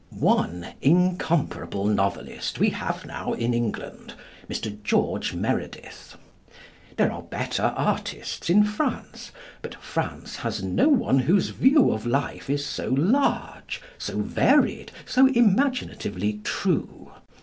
One incomparable novelist we have now in England, Mr George Meredith. There are better artists in France, but France has no one whose view of life is so large, so varied, so imaginatively true.